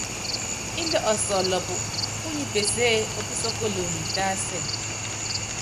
Índɛ ɔsɔlɔpɔ, púnyipeseé, opísókolonyi tásɛ.